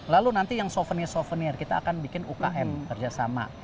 lalu nanti yang souvenir souvenir kita akan bikin ukm kerjasama